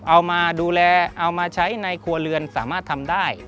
เอามาดูแลเอามาใช้ในครัวเรือนสามารถทำได้